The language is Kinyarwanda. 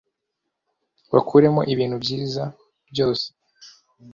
bakuremo ibintu byiza byose